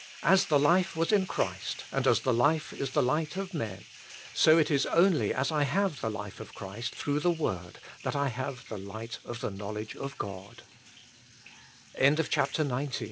As the life was in Christ, and as the Life is the Light of men, so it is only as I have the life of Christ through the word that I have the light of the knowledge of